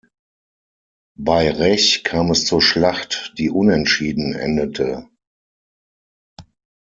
Bei Rech kam es zur Schlacht, die unentschieden endete.